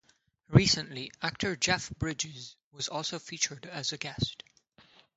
Recently, actor Jeff Bridges was also featured as a guest.